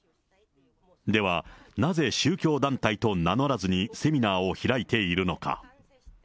では、なぜ宗教団体と名乗らずに、セミナーを開いているのか。